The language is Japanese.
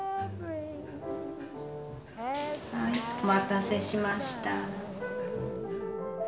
はいお待たせしました。